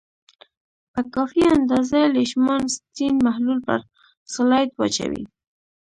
په کافي اندازه لیشمان سټین محلول پر سلایډ واچوئ.